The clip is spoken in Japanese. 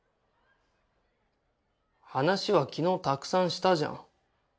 話は昨日たくさんしたじゃん。